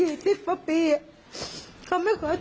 มันมีแม่ด้วยมันมีแม่ด้วย